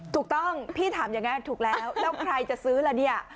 ถูกต้องพี่ถามอย่างนี้ถูกแล้วแล้วใครจะซื้อล่ะเนี่ย